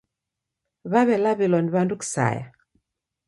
W'aw'elaw'ilwa ni w'andu kisaya